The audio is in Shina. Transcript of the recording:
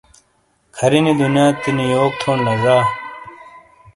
کھِر ینی دنیاتینی یوک تھون لا ڙا